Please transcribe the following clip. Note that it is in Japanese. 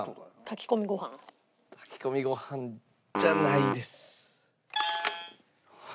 炊き込みご飯じゃないです。